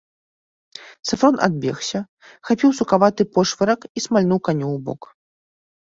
Сафрон адбегся, хапіў сукаваты пошвырак і смальнуў каню ў бок.